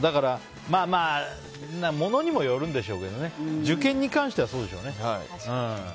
ものにもよるんでしょうけど受験に関しては、そうでしょうね。